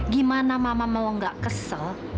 gimana mama mau gak kesel